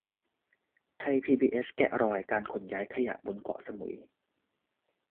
ไทยพีบีเอสแกะรอยการขนย้ายขยะบนเกาะสมุย